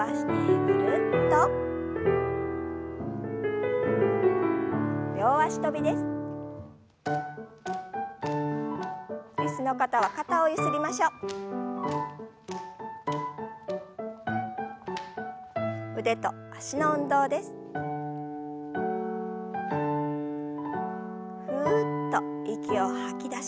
ふっと息を吐き出しながら。